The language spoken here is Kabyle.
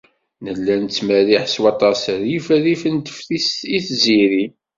Nella nettmerriḥ s waṭas rrif rrif n teftist i tziri.